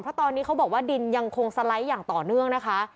เพราะตอนนี้เขาบอกว่าดินยังคงสไลด์อย่างต่อเนื่องนะคะ